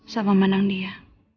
sama menang dia